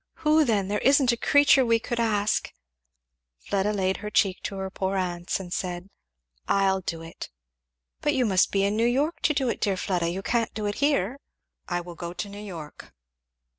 "Who then? there isn't a creature we could ask " Fleda laid her cheek to her poor aunt's and said, "I'll do it." "But you must be in New York to do it, dear Fleda, you can't do it here." "I will go to New York."